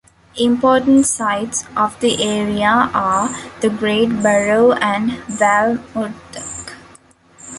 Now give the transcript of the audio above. Important sites of the area are The Great Barrow and Val-Murthag.